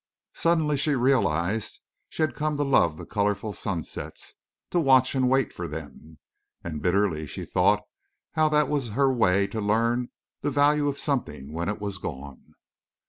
Suddenly she realized she had come to love the colorful sunsets, to watch and wait for them. And bitterly she thought how that was her way to learn the value of something when it was gone.